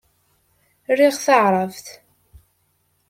Riɣ taɛṛabt.